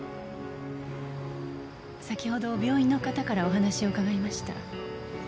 先ほど病院の方からお話を伺いました。